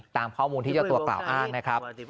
ตามข้อมูลที่เจ้าตัวกล่าวอ้างนะครับ